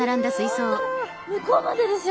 本当向こうまでですよ